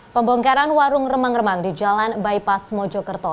pembongkaran warung remang remang di jalan bypass mojokerto